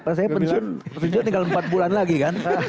pas saya pensiun tinggal empat bulan lagi kan